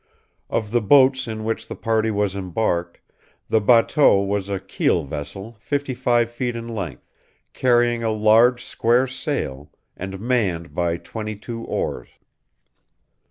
Of the boats in which the party was embarked, the batteau was a keel vessel fifty five feet in length, carrying a large square sail, and manned by twenty two oars.